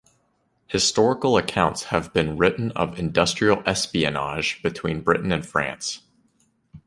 Historical accounts have been written of industrial espionage between Britain and France.